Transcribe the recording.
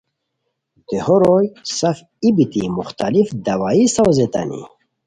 دیہو روئے سف ای بیتی مختلف دوائی ساؤزیتانی